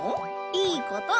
いいこと。